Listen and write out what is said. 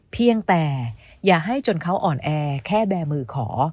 เพียงแต่อย่าให้จนเขาอ่อนแอแค่แบร์มือขอ